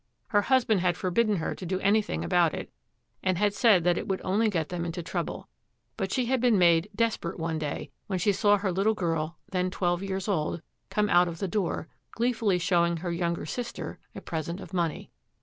Her husband had forbidden her to do anything about it and had said that it would only get them into trouble; but she had been made desperate one day when she saw her little girl, then twelve years old, come out of the door, gleefully showing her younger sister a present of money.